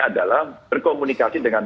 adalah berkomunikasi dengan